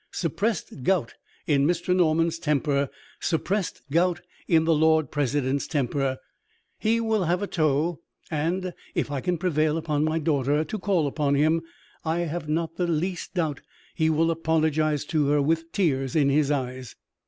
Suppressed gout in Mr. Norman's temper; suppressed gout in the Lord President's temper. He will have a toe; and, if I can prevail upon my daughter to call upon him, I have not the least doubt he will apologize to her with tears in his eyes."